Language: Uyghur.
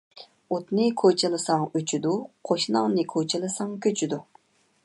ئوتنى كوچىلىساڭ ئۆچىدۇ، قوشناڭنى كوچىلىساڭ كۆچىدۇ.